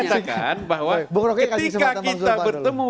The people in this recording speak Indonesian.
saya katakan bahwa ketika kita bertemu